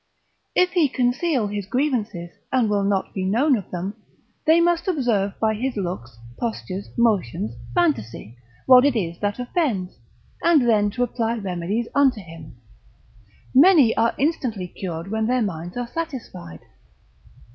If he conceal his grievances, and will not be known of them, they must observe by his looks, gestures, motions, fantasy, what it is that offends, and then to apply remedies unto him: many are instantly cured, when their minds are satisfied.